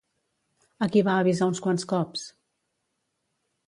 A qui va avisar uns quants cops?